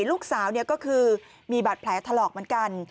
ลูกสาวก็คือมีบาดแผลถลอกเหมือนกัน